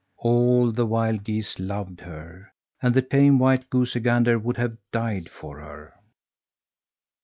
All the wild geese loved her, and the tame white goosey gander would have died for her.